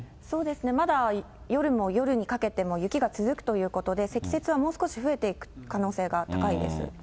そうですね、まだ、夜も、夜にかけても雪が続くということで、積雪はもう少し増えていく可能性が高いです。